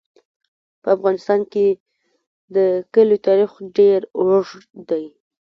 په افغانستان کې د کلیو تاریخ ډېر اوږد دی.